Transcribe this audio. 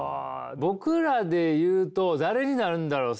僕らで言うと誰になるんだろう？